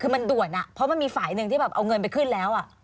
คือมันด่วนเพราะมันมีฝ่ายหนึ่งที่แบบเอาเงินไปขึ้นแล้ว